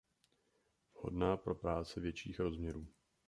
Vhodná pro práce větších rozměrů.